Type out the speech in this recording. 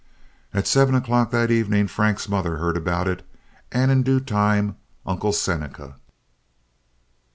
At seven o'clock that evening Frank's mother heard about it, and in due time Uncle Seneca.